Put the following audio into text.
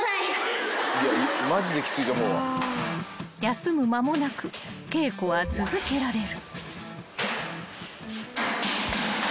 ［休む間もなく稽古は続けられる］